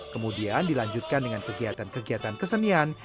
kemudian dilanjutkan dengan kegiatan kegiatan kesenian